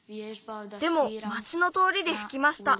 でも町のとおりでふきました。